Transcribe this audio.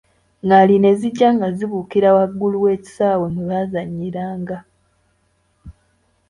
Ngaali ne zijja nga zibukira wagulu w'ekisaawe mwe baazanyira nga.